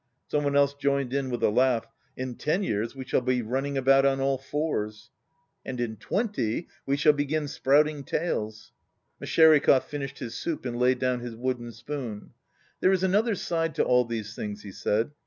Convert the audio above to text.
Some one else joined in with a laugh: "In ten years we shall be running about on all fours." "And in twenty we shall begin sprouting tails." Meshtcheriakov finished his soup and laid down his wooden spoon. "There is another side to all these things," he said.